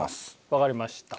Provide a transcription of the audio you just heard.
わかりました。